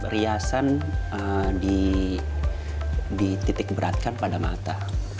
riasan dititik beratkan pada mata